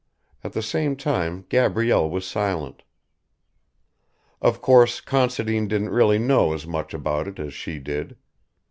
_" At the same time Gabrielle was silent. Of course Considine didn't really know as much about it as she did.